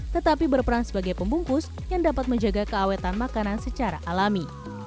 tetapi berperan sebagai pembungkus yang dapat menjaga keawetan makanan secara alami